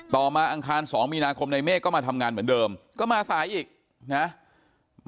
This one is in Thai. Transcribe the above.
มาอังคาร๒มีนาคมในเมฆก็มาทำงานเหมือนเดิมก็มาสายอีกนะ